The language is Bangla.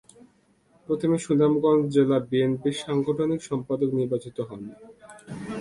প্রথমে সুনামগঞ্জ জেলা বিএনপির সাংগঠনিক সম্পাদক নির্বাচিত হন।